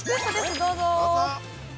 どうぞ。